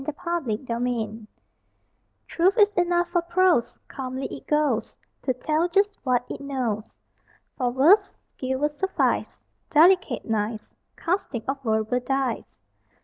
AT THE MERMAID CAFETERIA Truth is enough for prose: Calmly it goes To tell just what it knows. For verse, skill will suffice Delicate, nice Casting of verbal dice.